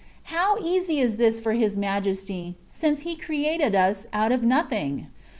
And how easy is this for His Majesty, since He created us out of nothing.